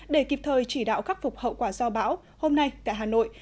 để kịp thời chỉ đạo khắc phục hậu quả do bão hôm nay tại hà nội